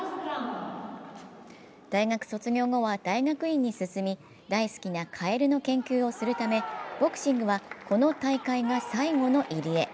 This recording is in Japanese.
大学卒業後は大学院に進み、大好きなかえるの研究をするため、ボクシングはこの大会が最後の入江。